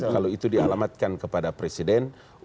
kalau itu dialamatkan kepada presiden